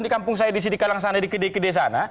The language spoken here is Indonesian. di kampung saya di sidikalang sana di kede kede sana